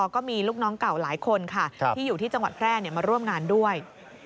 ก็มีลูกน้องเก่าหลายคนค่ะที่อยู่ที่จังหวัดแพร่มาร่วมงานด้วย